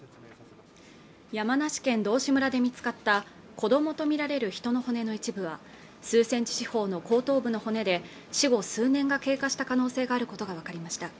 山梨県道志村で見つかった子どもと見られる人の骨の一部は数センチ四方の後頭部の骨で死後数年が経過した可能性があることが分かりました